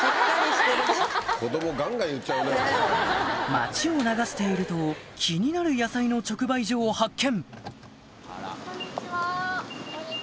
町を流していると気になる野菜の直売所を発見